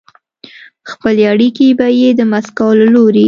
خپلې اړیکې به یې د مسکو له لوري